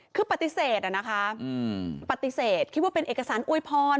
คือปฏิเสธอะนะคะปฏิเสธคิดว่าเป็นเอกสารอวยพร